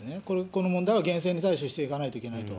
この問題を厳正に対処していかないといけないと。